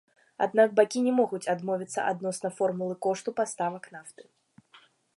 Аднак бакі не могуць дамовіцца адносна формулы кошту паставак нафты.